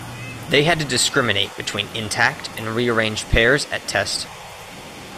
They had to discriminate between intact and rearranged pairs at test.